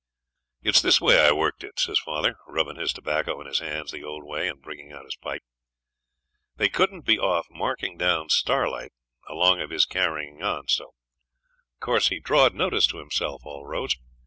'It's this way I worked it,' says father, rubbing his tobacco in his hands the old way, and bringing out his pipe: 'they couldn't be off marking down Starlight along of his carryin' on so. Of course he drawed notice to himself all roads.